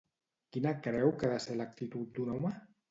Quina creu que ha de ser l'actitud d'un home?